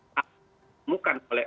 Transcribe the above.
apa yang dimulakan oleh